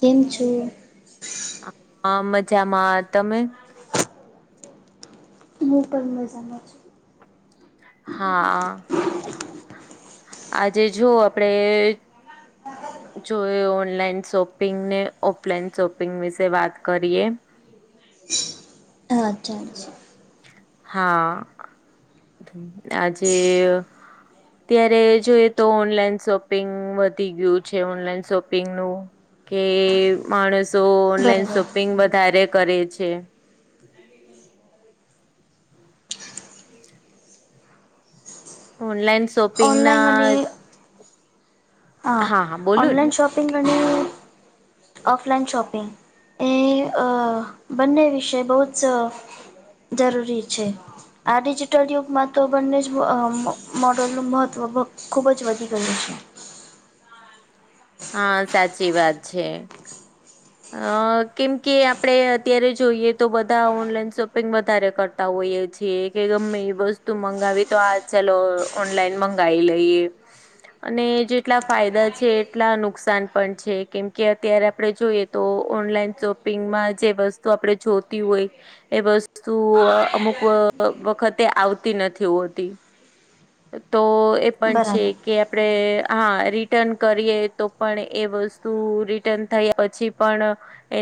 કેમ છું. હા મજામાં તમે, હું પણ મજામાં છું. હા આજે જો આપડે જો ઓનલાઈન શોપિંગ ને ઓફલાઈન શોપિંગ વિશે વાત કરીએ. હા ચાજ હા આજે ત્યારે જોઈએ તો ઓનલાઈન વધી ગયું છે શોપિંગનું કે માણસો ઓનલાઈન બરાબર. શોપિંગ વધારે કરે છે. ઓનલાઈન ઓનલાઈન શોપિંગના અને હા બોલું ને ઓનલાઇન શોપિંગ અને ઓફલાઈન શોપિંગ એ બંને વિશે બહુ જ જરૂરી છે. આ ડિજિટલ યુગમાં તો બંને જ મોડલનું મહત્ત્વ ખૂબ જ વધી ગયું છે. હા સાચી વાત છે અ કેમ કે આપડે અત્યારે જોઈએ તો બધા ઓનલાઈન શોપિંગ વધારે કર હોય એ છે કે ગમે એ વસ્તુ મંગાવી તો આ ચાલ ઓનલાઈન મંગાવી લઈએ અને જેટલા ફાયદા છે એટલા નુકસાન પણ છે કેમ કે અત્યારે આપડે જોઈએ. તો ઓનલાઈન શોપિંગમાં જે વસ્તુ આપડે જોતી હોય. એ વસ્તુ અમુક વખતે આવતી નથી હોતી તો એ પણ છે. બરાબર કે આપડે હા રિટર્ન કરીએ તો પણ એ વસ્તુ રી ટર્ન થયા પછી પણ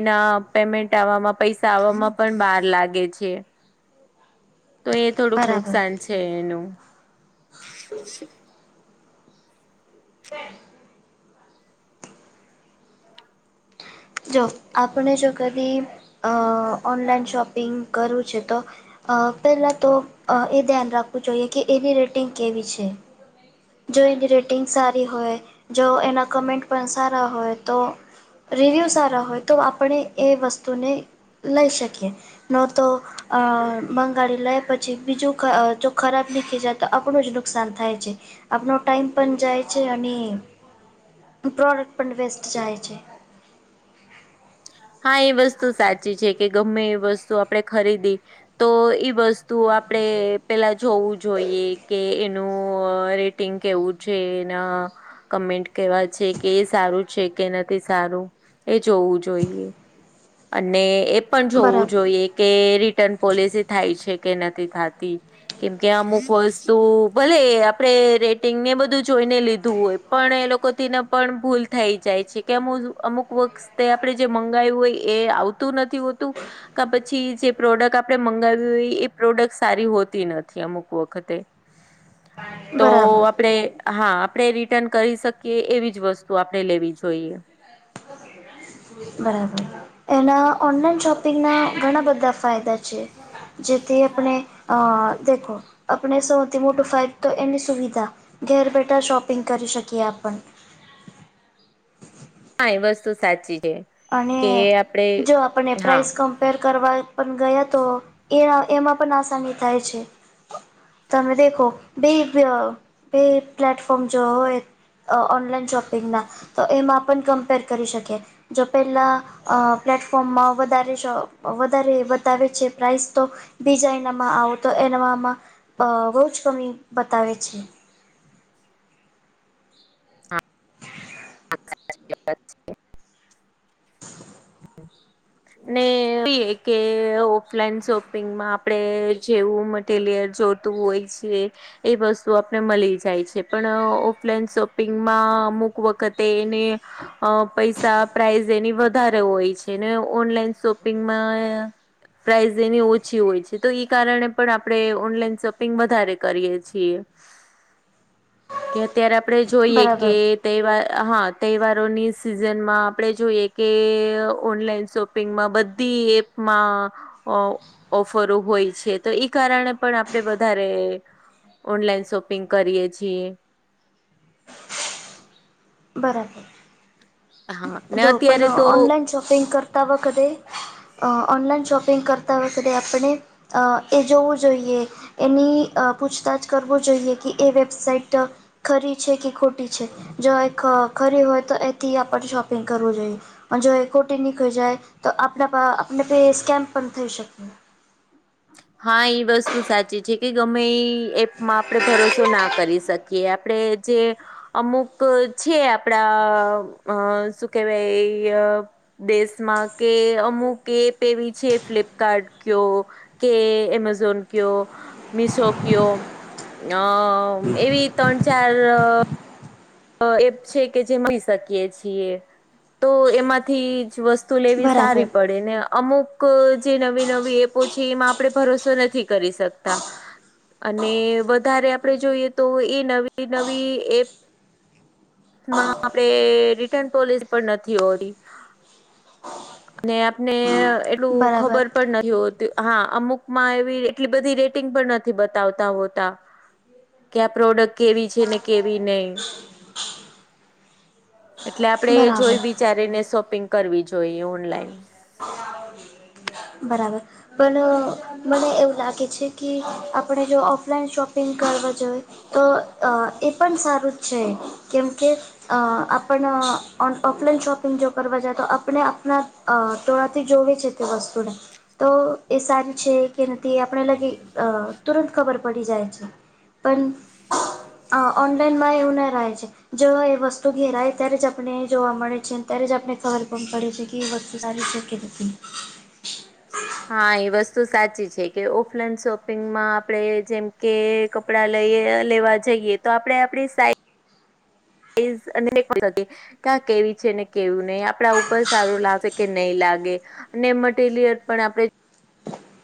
એના પેયમેન્ટ આવામાં પૈસા આવામાં પણ વાર લાગે છે તો એ થોડુંક બરાબર નુકસાન છે એનું જો આપણે જો કદી અ ઓનલાઈન શોપિંગ કરવું છેતો અ પેલા તો એ ધ્યાન રાખવું જોઈએ કે એની રેટિંગ કેવી છે જો એની રેટિંગ સારી હોય જો એના કમેન્ટ પણ સારા હોય તો રિવ્યૂ સારા હોય તો આપણે એ વસ્તુને લઈ શકીએ ન તો અ મંગાડી લે પછી બીજું જો ખરાબ નીકળી જાય તો આપણું જ નું નુકસાન થાય છે આપનું ટાઈમ પણ જાય છે અને પ્રોડક્ટ પણ વેસ્ટ જાય છે. હા એ વસ્તુ સાચી છે કે, ગમે એ વસ્તુ આપડે ખરીદી તો ઈ વસ્તુ આપડે પેલા જોઈએ કે એનું રી ટીંગ કેવું છે ન કમેન્ટ કેવા છે કે એ સારું છે કે નથી સારું એ જોવું જોઈએ અને એ પણ જોવું બરાબર જોઈએ કે રી ટન પોલિસી થાય છે કે નથી થાતી કેમકે અમુક વસ્તુ ભલે આપડે રેટિંગને બધું જોઈને લીધું હોય પણ એ લોકો થી ને પણ ભૂલ થઈ જાય છે કે અમુક વખતે પડે જે મંગાયવું હોય એ આવતું નથી હોતું કા પછી જે પ્રોડક્ટ આપડે મંગાવી હોય એ પ્રોડક્ટ સારી હોતી નથી અમુક વખતે [inaudible] તો બરાબર આપ પડે હા આપડે રિટર્ન કરી શકીએ એવી વસ્તુ આપડે લેવી જોઈએ. બરાબર એના ઓનલાઈન શોપિંગના ઘણા બધા ફાયદા છે. જેથી આપણે અ દેખો આપણે સૌથી મોટો ફાઈદો તો એની સુવિધા ઘેર બેઠા શોપિંગ કરી શકીએ આપણ હા એ વસ્તુ સાચી છે. અને કે આપડે જો આપણને હા પ્રાઇસ કમ પેર કરવા પણ ગયા તો એ એમાં પણ આસાની થાય છે. તમે દેખો બે બે પ્લેટફોર્મ જો હોય અ ઓનલાઈન શોપિંગના તો એમાં પણ કમ્પેર કરી શકીએ. જો પહેલાં અ પ્લેટફોર્મમાં વધારે વધારે બતાવે છે પ્રાઇસ તો બીજા એનામાં આવો તો એનામાં બહુ જ કમી બતાવે છે. [unintelligible] [inaudible] એ એ બી એ કે ઓફલાઈન શોપિંગમાં આપડે જેવું મટીલયર જોતું હોય છે એ વસ્તુ આપને મળી જાય છે પણ ઓફલાઈન શોપિંગમાં અમુક વખતે એને અ પૈસા પ્રાઇસ એની વધારે હોય છે ને ઓનલાઈન શોપિંગમાં પ્રાઇઝ એની ઓછી હોય છે તો કારણે પણ આપણે ઓનલાઈન શોપિંગ વધારે કરીએ છીએ. [inaudible] [inaudible] કે અત્યારે આપણેે જોઈએ બરાબર કે તહેવાર હા તહેવારોની સિઝનમાં આપણે જોઈએ કે ઓનલાઈન શોપિંગમાં બધી એપમાં અ ઓફરો હોય છે તો એ કારણે પણ આપણે વધારે ઓનલાઈન શોપિંગ કરીએ છીએ બરાબર હા ને જો અત્યારે પણ તો ઓનલાઈન શોપિંગ કરતા વખતે અ ઓનલાઈન શોપિંગ કરતા વખતે આપણે એ જોવું જોઈએ એની અ પૂછતાછ કરવો જોઈએ કે એ વેબસાઇટ ખરી છે કે ખોટી છે જો ખરી હોય તો એથી આપણે શોપિંગ કરવું જોઈએ. અન જોએ ખોટી નીકળી જાય તો આપ આપને પે સ્કેમ પણ થઈ શકે. હા એ વસ્તુ સાચી છે કે ગમે એ એપમાં આપણે ભરોસો ના કરી શકીએ કે આપડે જે અમુક છે આપડા અ શું કેવાય અ દેશમાં કે અમુક એપ એવી છે ફ્લિપકાર્ટ કયો કે એમેઝોન કયો, મિસો કયો અ એવી ત્રણ ચાર એપ છે કે જે મળી શકીએ છીએ તો એમાંથી જ વસ્તુ તુ લેવી બરાબર સારી પડે ને અમુક જે નવી નવી એપો છે એમાં આપડે ભરોસો નથી કરી શકતા અને વધારે આપડે જોઈએ તો એ નવી નવી એપ માં આપણેે રિટર્ન પોલિસી પણ નથી હોતી અને આપને એટલું બરાબર ખબર પણ નથી હા અમુક માં એવી એટલી બધી રેટિંગ પણ નથી બતાવતા હોતા કે આ પ્રોડક્ટ કેવી છે ને કેવી નહી [inaudible] એટલે આપણે એ બરાબર જોઈ વિચારીને શોપિંગ કરવી જોઈએ ઓનલાઈન. બરાબર. પણ મને એવું લાગે છે કે આપણે જો ઓફલાઈન શોપિંગ કરવા જોઈ તો એ પણ સારું જ છે કેમ કે આપના આપણે શોપિંગ જો કરવા જાય તો આપને આપના તો [unintelligible] જોવી છે તે વસ્તુને તો એ સારી છે કે નથી એ આપણાને તુરંત ખબર પડી જાય છે. પણ આ ઓનલાઈનમાં એવું ન રહે છે. જો એ વસ્તુ ઘેર આવે ત્યારે જ આપને જોવા મળે છે અને ત્યારે જ આપને ખબર પણ પડે છે. કે વસ્તુ સારી છે કે નથી. હા એ વસ્તુ સાચી છે કે ઓફલાઈન શોપિંગમાં આપણે જેમ કે કપડા લઈએ લેવા જઈએ તો આપણે આપણી સાઈ ઈઝ અને [unintelligible] કેવી છે ને કેવું નહી આપણા ઉપર સારું લાગસે કે નહી લાગે. અને મટીલ્યલ પણ આપણે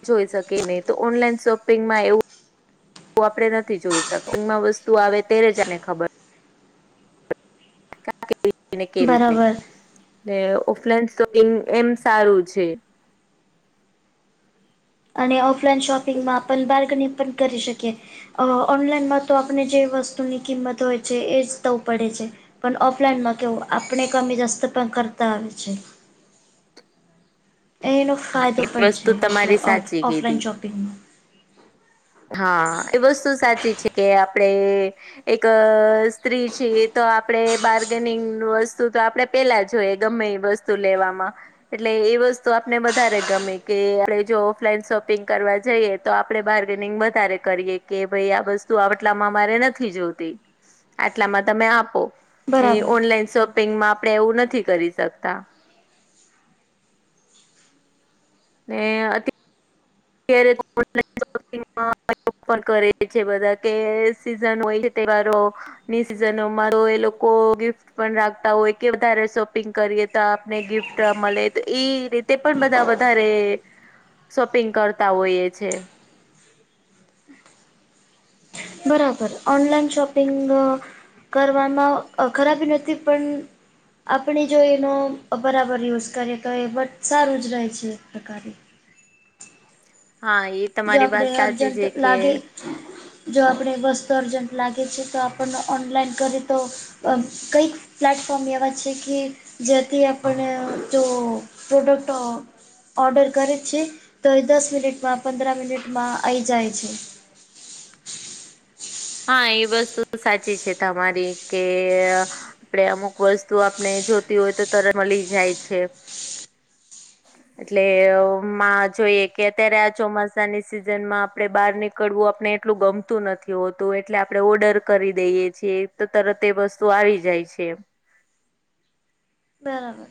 જોઈ શકે નહી તો ઑનલાઇન શોપિંગ માં એવું આપણે નથી જોઈ શકતા ઘરમાં વસ્તુ આવે ત્યારે જ એની ખબર પડે છે. બરાબર [unintelligible] ઓફલાઈન શોપિંગ એમ સારું છે. અને ઓફલાઈન શોપિંગમાં આપ બાર્ગનિંગ પણ કરી શકીએ. ઓનલાઈનમાં તો આપને જે વસ્તુની કિંમત હોય છે એ જ આપવું પડે છે. પણ ઓફલાઈનમાં કેવું આપને [unintelligible] પણ કરતા આવે છે. એ એનો હા, ફાયદો એ પણ વસ્તુ છે, તમારી સાચી કીધી ઓફલાઈન શોપિંગમાં હા, એ વસ્તુ સાચી છે કે આપણે એક સ્ત્રી છીએ તો આપણે બાર્ગેનિંગ વસ્તુ તો આપણે પહેલા જોએ ગમે એ વસ્તુ લેવામાં એટલે એ વસ્તુ આપણને વધારે ગમે કે આપણે જો ઓફલાઈન શોપિંગ કરવા જઈએ તો આપણે બહાર ભાવતાલ વધારે કરીએ કે ભાઈ આ વસ્તુ આટલામાં મારે નથી જોતી. આટલામાં તમે આપો એ બરાબર ઓનલાઈન શોપિંગમાં આપણે એવું નથી કરી શકતા. ને અતિ [unintelligible] ઓફર કરે છે બધા કે સીઝન હોય કે તહેવારો ની સિઝનો માં એ લોકો ગિફ પણ રાખતા હોય કે વધારે શોપિંગ કરીએ તો આપને ગિફ્ટ મળે તો એ રીત તે પણ બધા વધારે શોપિંગ કરતા હોઈએ છે. બરાબર ઓનલાઈન શોપિંગ કરવામાં ખરાબી નથી પણ આપણે જો એનો બરાબર યુઝ કરીએ તો એ સારું જ રહે છે. એક પ્રકારે હા એ જો તમારી આપણે વાત સાચી અર્જન્ટ છે કે લાગે જો આપણે વસ્તુ અર્જન્ટ લાગે છે તો આપણને ઓનલાઈન કરી તો અ કંઈક પ્લેટફોર્મ એવા છે કે જેથી અતિ આપણને જો પ્રોડક્ટો ઓર્ડર કરે છે તો એ દસ મિનિટમાં પંદર મિનિટમાં આવી જાય છે. હા, એ વસ્તુ સાચી છે, તમારી કે આપણે અમુક વસ્તુ આપણે જોતી હોય તો તરત મળી જાય છે. [inaudible] એટલે માં જોઈએ કે, અત્યારે આ ચોમાસાની સિઝન માં આપણે બહાર નિક- કડવું, આપને એટલું ગમતું નથી હોત- તો, એટલે આપણે ઓર્ડર કરી દઈએ છીએ, તો તરત એ વસ્તુ આવી જાય છે. બરાબર.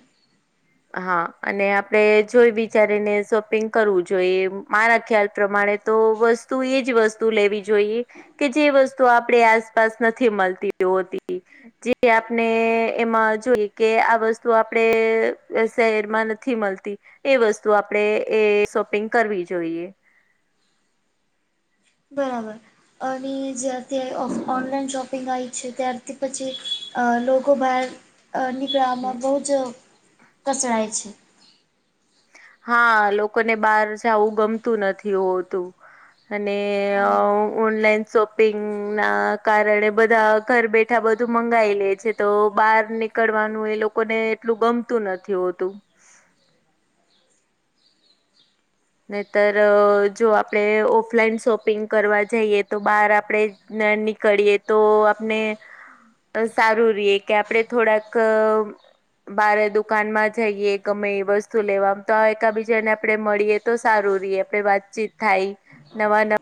હા, અને આપડે જોઈ બિચારીને શોપિંગ કરવું જોઈએ, મારા ખ્યાલ પ્રમાણે- તો, વસ્તુ એ જ વસ્તુ લેવી જોઈએ- કે, જે વસ્તુ આપણે આસપાસ નથી મળતી હોતી. જેઆપણે એમાં જોઈ કે, આ વસ્તુ આપડે જે શહેરમાં નથી મળતી, એ વસ્તુ આપણે એ શોપિંગ કરવી જોઈએ. બરાબર, અને જ્યારથી ઓનલાઈન શોપિંગ આવી છે, ત્યારથી પછી- અ લોકો, બહાર નિકલમાં બહુ જ કસરાય છે. હા, લોકોને બહાર જાવું ગમતું નથી હોતું, અને- બરાબર ઓનલાઈન શોપિંગ ના કારણે, બધા ઘર બેઠા બધું મંગાઈ લે છે. તો, બહાર નીકળવાનું એ લોકોને, એટલું ગમતું નથી હોતું. નહીતર, જો આપડે ઓફલાઈન શોપિંગ કરવા જઈએ, તો બહાર આપડે- ને, નીકળીએ, તો આપણને- સારું રીએ કે, આપડે થોડાક- બારે દુકાનમાં જઈએ, ગમે એ વસ્તુ લેવામા તો, એકાબીજા ને આપડે મળીએ. તો, સારું રે, આપણે વાતચીત થાય, નવા નવા-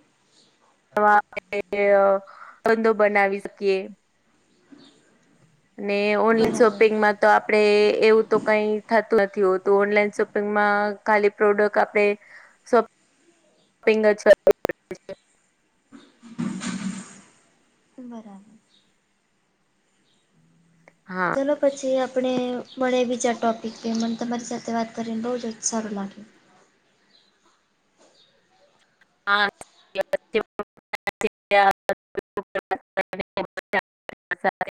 નવા [unintelligible] ધંધો બનાવી શકીએ! અને ઓનલાઈન બરાબર શોપિંગમાં તો આપ- તે, એવું તો કઈ થતું નથી હોતું. ઓનલાઈન શોપિંગમાં ખાલી પ્રોડક્ટ આપણેે- સો પિંગ જ કરવી પડે છે. બરાબર છે. હા. તો પછી, આપણે મળીએ બીજા ટોપિક પે, મને તમારી સાથે વાત કરીને બહુ જ સારું લાગ્યું. હા. [inaudible] [unintelligible] [inaudible] [inaudible]